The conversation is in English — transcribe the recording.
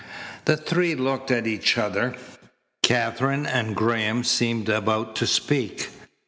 The three looked at each other. Katherine and Graham seemed about to speak.